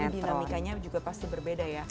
karena dinamikanya juga pasti berbeda ya